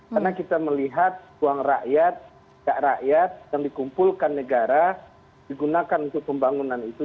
karena kita melihat uang rakyat cak rakyat yang dikumpulkan negara digunakan untuk pembangunan itu